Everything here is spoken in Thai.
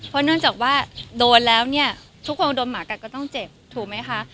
เพราะเนื่องจากว่าโดนแล้วเนี่ยทุกคนโดนหมากัดก็ต้องเจ็บถูกไหมคะ